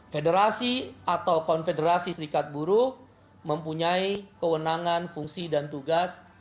federasi atau konfederasi serikat buruh mempunyai kewenangan fungsi dan tugas